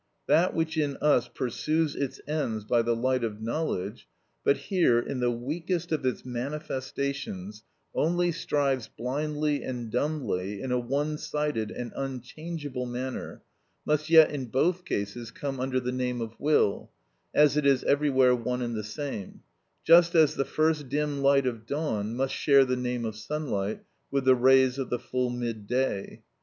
That which in us pursues its ends by the light of knowledge; but here, in the weakest of its manifestations, only strives blindly and dumbly in a one sided and unchangeable manner, must yet in both cases come under the name of will, as it is everywhere one and the same—just as the first dim light of dawn must share the name of sunlight with the rays of the full mid day.